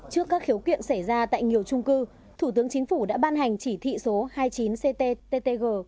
trước các khiếu kiện xảy ra tại nhiều trung cư thủ tướng chính phủ đã ban hành chỉ thị số hai mươi chín cttg